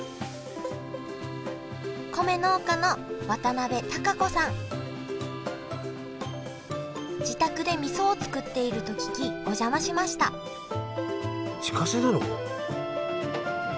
米農家の自宅でみそを作っていると聞きお邪魔しました自家製なの！？